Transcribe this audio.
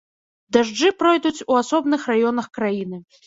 Дажджы пройдуць у асобных раёнах краіны.